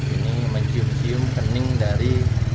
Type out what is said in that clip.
ini mencium cium kening dari